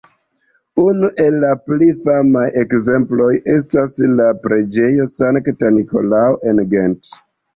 Unu el la pli famaj ekzemploj estas la preĝejo Sankta Nikolao en Gent.